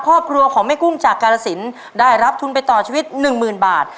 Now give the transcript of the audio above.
ครอบครัวของแม่กุ้งจากกาลสินได้รับทุนไปต่อชีวิตหนึ่งหมื่นบาท